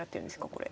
これ。